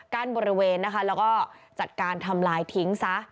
บริเวณนะคะแล้วก็จัดการทำลายทิ้งซะ